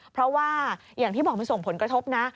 เพราะว่าอย่างที่บอกมันส่งผลกระทบนะ